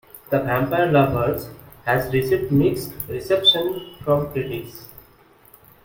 "The Vampire Lovers" has received mixed reception from critics.